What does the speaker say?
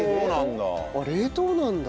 冷凍なんだ。